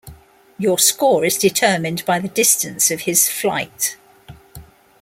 Your score is determined by the distance of his flight.